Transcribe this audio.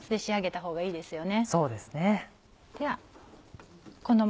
そうですね。